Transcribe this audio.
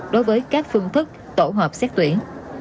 đối với các phương thức tổ hợp xét tuyển